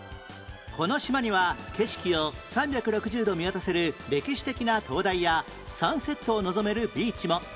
この島には景色を３６０度見渡せる歴史的な灯台やサンセットを望めるビーチも